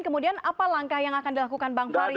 kemudian apa langkah yang akan dilakukan bang fari selanjutnya